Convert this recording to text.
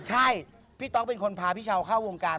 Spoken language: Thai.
ใช่พี่ต๊อกเป็นคนพาพี่เช้าเข้าวงการ